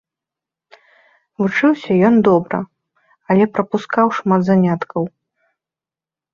Вучыўся ён добра, але прапускаў шмат заняткаў.